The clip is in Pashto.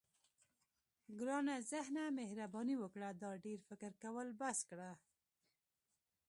ګرانه ذهنه مهرباني وکړه دا ډېر فکر کول بس کړه.